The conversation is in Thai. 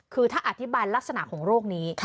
คือถ้าอธิบายลักษณะของโรคนี้